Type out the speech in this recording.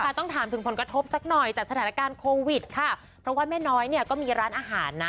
ต้องถามถึงผลกระทบสักหน่อยจากสถานการณ์โควิดค่ะเพราะว่าแม่น้อยเนี่ยก็มีร้านอาหารนะ